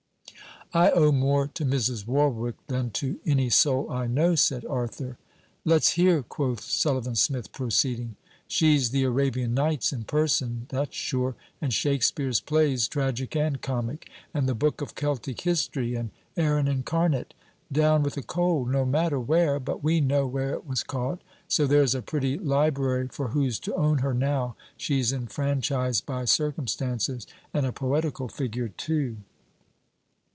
'I owe more to Mrs. Warwick than to any soul I know,' said Arthur. 'Let 's hear,' quoth Sullivan Smith; proceeding: 'She's the Arabian Nights in person, that's sure; and Shakespeare's Plays, tragic and comic; and the Book of Celtic History; and Erin incarnate down with a cold, no matter where; but we know where it was caught. So there's a pretty library for who's to own her now she's enfranchized by circumstances; and a poetical figure too!'